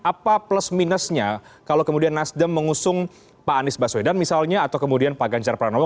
apa plus minusnya kalau kemudian nasdem mengusung pak anies baswedan misalnya atau kemudian pak ganjar pranowo